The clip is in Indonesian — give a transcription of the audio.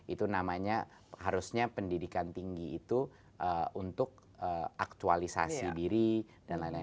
itu namanya harusnya pendidikan tinggi itu untuk aktualisasi diri dan lain lain